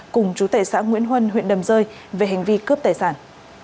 cùng chú tệ xã nguyễn huân huyện đầm rơi về hành vi cướp tài sản